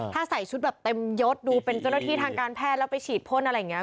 ถ้าใส่ชุดแบบเต็มยศดูเป็นเจ้าหน้าที่ทางการแพทย์แล้วไปฉีดพ่นอะไรอย่างนี้